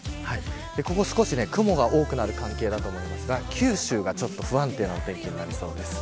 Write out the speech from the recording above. ここ少し、雲が多くなる関係だと思いますが九州がちょっと不安定なお天気になりそうです。